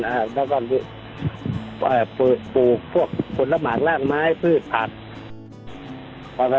แล้วก็ปลูกพวกผลบังร่างไม้พืชผัด